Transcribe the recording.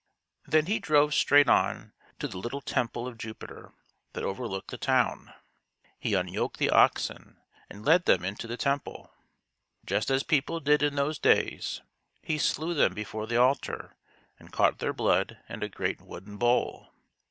Then he drove straight on to the little temple of Jupiter that overlooked the town. He unyoked the oxen and led them into the temple. Just as people did in those days, he slew them before the altar, and caught their blood in a great wooden bowl.